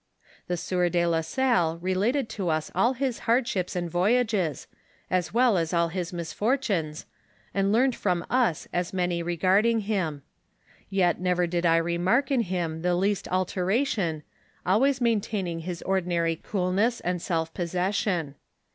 The sieur de la Salle related to us all his hardships and voyages, as well as all his misfortunes, and learned from us as many regarding him ; yet never did I remark in him the least alteration, always maintaining his ordinary coolness and self possession.